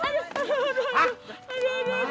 aduh aduh aduh